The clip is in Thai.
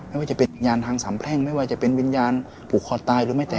ไม่ว่าจะเป็นยานทางสามแพร่งไม่ว่าจะเป็นวิญญาณผูกคอตายหรือไม่แต่